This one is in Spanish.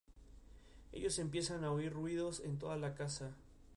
Ellos empiezan a oír ruidos en toda la casa.